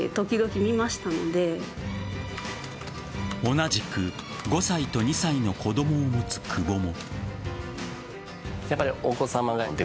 同じく５歳と２歳の子供を持つ久保も。